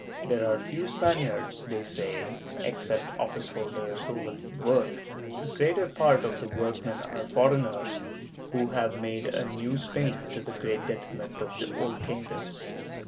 There are few Spaniards, they say, except office holders, who will work; the greater part of the workmen are foreigners, who have made a new Spain, to the great detriment of the old kingdoms.